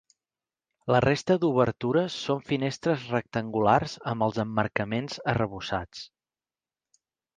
La resta d'obertures són finestres rectangulars amb els emmarcaments arrebossats.